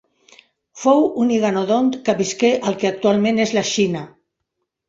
Fou un iguanodont que visqué al que actualment és la Xina.